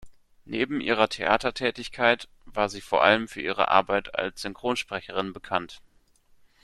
Neben ihrer Theatertätigkeit war sie vor allem für ihre Arbeit als Synchronsprecherin bekannt.